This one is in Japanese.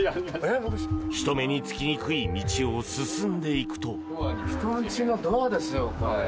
人目につきにくい道を進んでいくと。